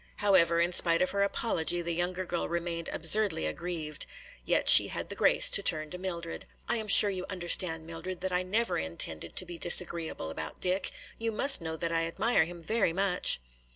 However, in spite of her apology, the younger girl remained absurdly aggrieved. Yet she had the grace to turn to Mildred. "I am sure you understand, Mildred, that I never intended to be disagreeable about Dick. You must know that I admire him very much."